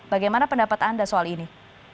bagaimana pendapat anda soal ini